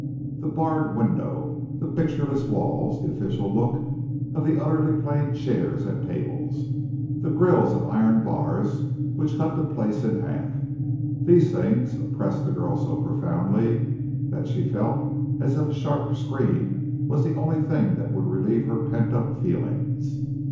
The barred window, the pictureless walls, the official look of the utterly plain chairs and tables, the grilles of iron bars which cut the place in half these things oppressed the girl so profoundly that she felt as if a sharp scream was the only thing that would relieve her pent up feelings.